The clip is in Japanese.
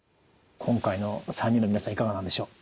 今回の３人の皆さんいかがなんでしょう？